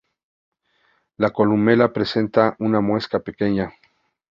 La columela presenta una muesca pequeña.